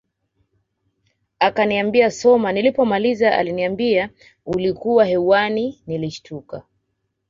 Akaniambia soma nilipomaliza aliambia ulikuwa hewani nilishtuka